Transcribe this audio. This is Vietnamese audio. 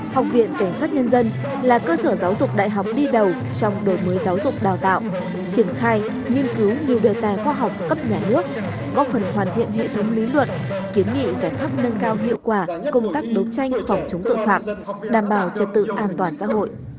học viện cảnh sát nhân dân là cơ sở giáo dục đại học đi đầu trong đổi mới giáo dục đào tạo triển khai nghiên cứu nhiều đề tài khoa học cấp nhà nước góp phần hoàn thiện hệ thống lý luận kiến nghị giải pháp nâng cao hiệu quả công tác đấu tranh phòng chống tội phạm đảm bảo trật tự an toàn xã hội